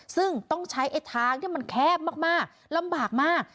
ซึ่งต้องใช้ไอ้ทางที่มันแคบมากลำบากมาก